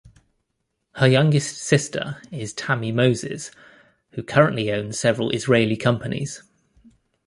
Her youngest sister is Tammy Mozes, who currently owns several Israeli companies.